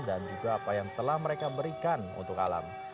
juga apa yang telah mereka berikan untuk alam